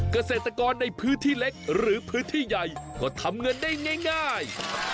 เกษตรกรในพื้นที่เล็กหรือพื้นที่ใหญ่ก็ทำเงินได้ง่าย